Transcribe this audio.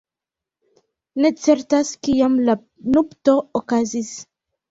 Ne certas kiam la nupto okazis.